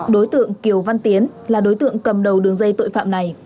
đối tượng kiều văn tiến là đối tượng cầm đầu đường dây tội phạm này